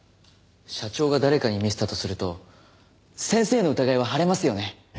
社長が誰かに見せたとすると先生の疑いは晴れますよね？